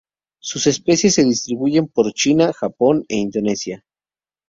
Sus especies se distribuyen por China, Japón e Indochina.